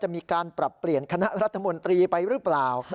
มีการปรับเปลี่ยนคณะรัฐมนตรีไปหรือเปล่า